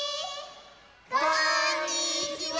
こんにちは！